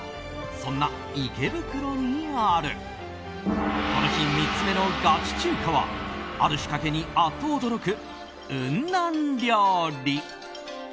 そんな池袋にあるこの日３つ目のガチ中華はある仕掛けにアッと驚く雲南料理。